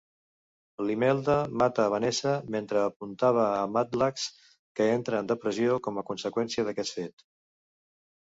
Limelda mata a Vanessa mentre apuntava a Madlax, que entra en depressió com a conseqüència d'aquest fet.